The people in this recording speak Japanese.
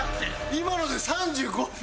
今ので３５秒？